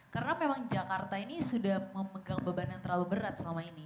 karena memang jakarta ini sudah memegang beban yang terlalu berat selama ini